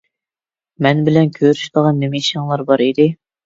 مەن بىلەن كۆرۈشىدىغان نېمە ئىشىڭلار بار ئىدى؟